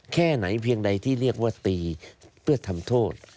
แค่ไหนเพียงใดที่เรียกว่าตีเพื่อทำโทษ